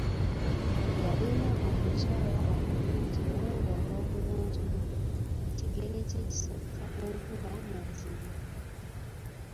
Yalina omukyala omulungi era nga olw’obulungi bwe, ekigere kye kisotta entula n’ozirya.